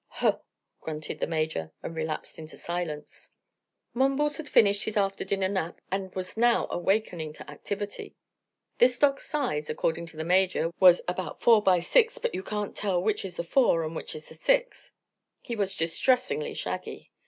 "Huh!" grunted the Major, and relapsed into silence. Mumbles had finished his after dinner nap and was now awakening to activity. This dog's size, according to the Major, was "about 4x6; but you can't tell which is the 4 and which the 6." He was distressingly shaggy.